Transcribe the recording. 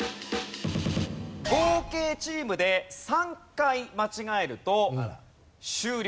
合計チームで３回間違えると終了。